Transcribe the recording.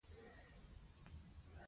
پېټټ لیکلي چې ودانۍ له ورایه ښکاري.